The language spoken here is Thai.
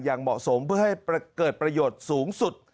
อย่างเหมาะสมเพื่อให้เกิดประโยชน์สูงสุด